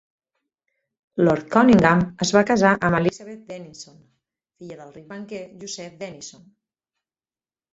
Lord Conyngham es va casar amb Elizabeth Denison, filla del ric banquer Joseph Denison.